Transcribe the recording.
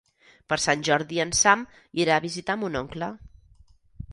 Per Sant Jordi en Sam irà a visitar mon oncle.